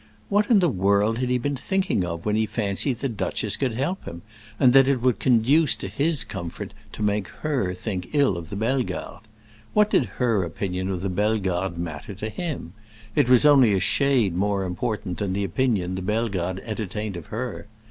What in the world had he been thinking of when he fancied the duchess could help him, and that it would conduce to his comfort to make her think ill of the Bellegardes? What did her opinion of the Bellegardes matter to him? It was only a shade more important than the opinion the Bellegardes entertained of her.